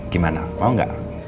gimana mau gak